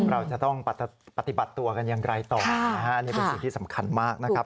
เราจะต้องปฏิบัติตัวกันอย่างไรต่อนะฮะนี่เป็นสิ่งที่สำคัญมากนะครับ